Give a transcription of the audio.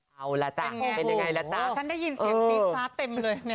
เป็นยังไงเป็นยังไงล่ะจ้า